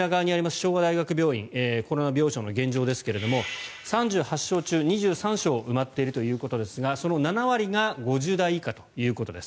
昭和大学病院コロナ病床の現状ですが３８床中２３床埋まっているということですがその７割が５０代以下ということです。